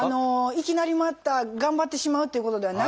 いきなりまた頑張ってしまうっていうことではなくてですね